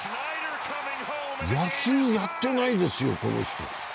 野球やってないですよ、この人。